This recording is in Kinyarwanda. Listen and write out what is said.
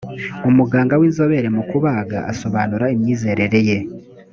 umuganga w inzobere mu kubaga asobanura imyizerere ye